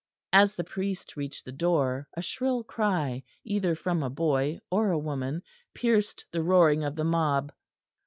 As the priest reached the door, a shrill cry either from a boy or a woman pierced the roaring of the mob.